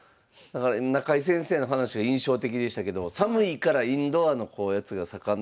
中井先生の話が印象的でしたけど寒いからインドアのやつが盛んだということで。